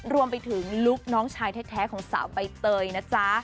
รวมไปถึงลูกน้องชายแท้ของสาวใบเตยนะจ๊ะ